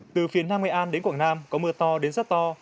từ phía nam nghệ an đến quảng nam có mưa to đến rất to